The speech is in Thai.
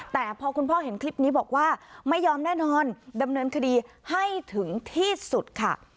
แต่พอคุณพ่อเห็นคลิปนี้บอกว่าไม่ยอมแน่นอนดำเนินคดีให้ถึงที่สุดค่ะ